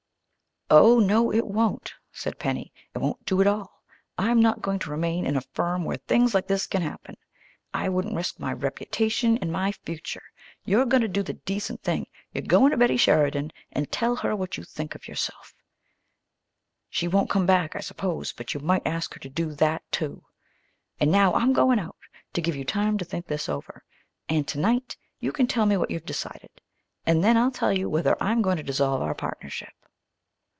"Oh, no, it won't," said Penny. "It won't do at all. I'm not going to remain in a firm where things like this can happen. I wouldn't risk my reputation and my future. You're going to do the decent thing. You're going to Betty Sheridan and tell her what you think of yourself. She won't come back, I suppose, but you might ask her to do that, too. And now I'm going out, to give you time to think this over. And tonight you can tell me what you've decided. And then I'll tell you whether I'm going to dissolve our partnership.